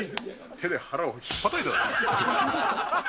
手で腹をひっぱたいたぞ。